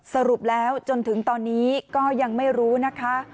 สรุปแล้วจนถึงตอนนี้ก็ยังไม่รู้นะคะ